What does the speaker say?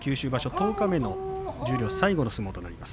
十日目の十両最後の相撲となります。